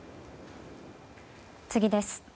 次です。